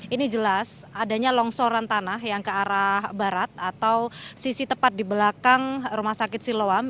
ini jelas adanya longsoran tanah yang ke arah barat atau sisi tepat di belakang rumah sakit siloam